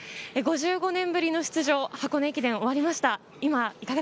５５年ぶりの出場、箱根駅伝が終わりました。